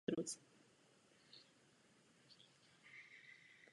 Od té doby byl nezvěstný.